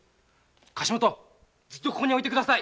貸元ずっとここに置いてください。